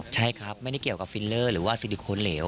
ใช่ครับไม่ได้เกี่ยวกับฟิลเลอร์หรือว่าซิลิโคนเหลว